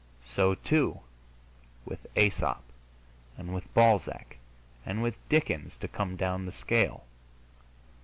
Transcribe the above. So, too, with Aesop, and with Balzac, and with Dickens, to come down the scale.